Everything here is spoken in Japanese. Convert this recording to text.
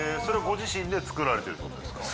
ご自身で作られてるってことですか？